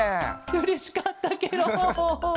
うれしかったケロ。